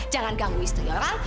jangan ganggu istri orang